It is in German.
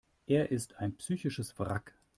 Er ist ein psychisches Wrack.